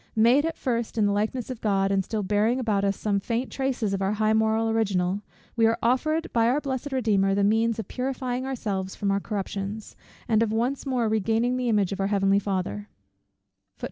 Made at first in the likeness of God, and still bearing about us some faint traces of our high original, we are offered by our blessed Redeemer the means of purifying ourselves from our corruptions, and of once more regaining the image of our Heavenly Father.